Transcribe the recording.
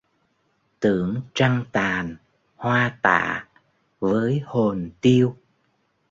Tưởng trăng tàn, hoa tạ, với hồn tiêu